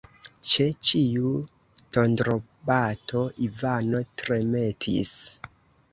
Ĉe ĉiu tondrobato Ivano tremetis.